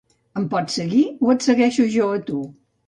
Em pots seguir o et segueixo jo a tu?